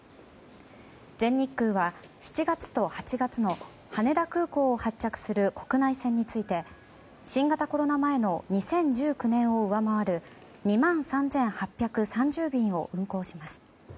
全日本は７月と８月の羽田空港を発着する国内線について、新型コロナ前の２０１９年を上回る２万３８３０便を運航します。